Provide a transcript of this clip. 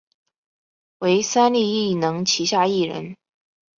为三立艺能旗下艺人。